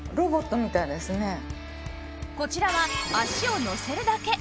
こちらは足をのせるだけ！